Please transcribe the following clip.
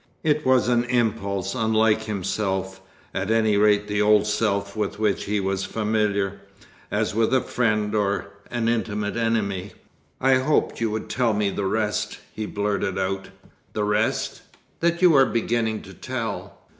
It was an impulse unlike himself, at any rate the old self with which he was familiar, as with a friend or an intimate enemy. "I hoped you would tell me the rest," he blurted out. "The rest?" "That you were beginning to tell."